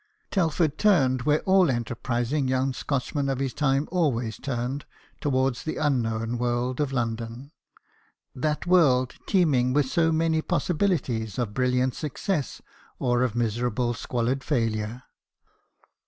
Telford turned where all enter prising young Scotchmen of his time always turned : towards the unknown world of London that world teeming with so many possibilities of brilliant success or of miserable squalid failure.